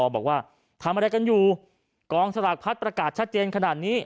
บอกว่าทำอะไรกันอยู่กองสลากพัดประกาศชัดเจนขนาดนี้